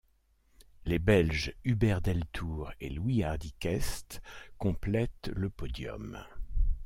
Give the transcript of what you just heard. Les Belges Hubert Deltour et Louis Hardiquest complètent le podium.